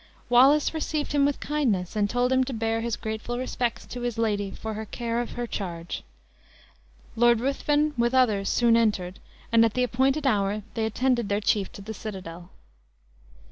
Wallace received him with kindness, and told him to bear his grateful respects to his lady for her care of her charge. Lord Ruthven with others soon entered; and at the appointed hour they attended their chief to the citadel.